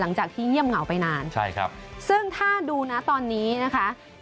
หลังจากที่เงียบเหงาไปนานใช่ครับซึ่งถ้าดูนะตอนนี้นะคะ